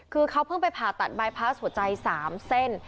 คือเขาเพิ่งไปผ่าตัดบายพาสหัวใจ๓เส้น